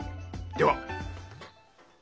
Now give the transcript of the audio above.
では。